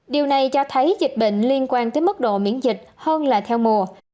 điều này cho thấy dịch bệnh liên quan tới mức độ miễn dịch hơn là theo mùa